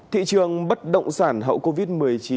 thị trường bất động sản hậu covid một mươi chín